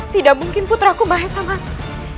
tidak mungkin putraku maesa mati